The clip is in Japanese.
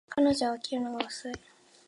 彼女は起きるのが遅い